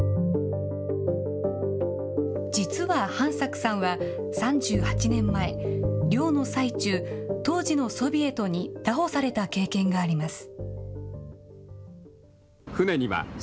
実は飯作さんは３８年前、漁の最中、当時のソビエトに拿捕された経験があります。